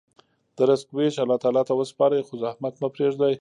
د رزق ویش الله تعالی ته وسپارئ، خو زحمت مه پرېږدئ.